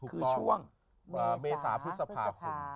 คือช่วงเมษาพฤษภาคม